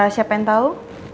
siapa yang tau